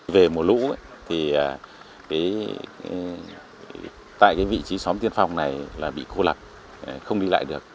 về mùa lũ thì tại cái vị trí xóm tiên phong này là bị cô lập không đi lại được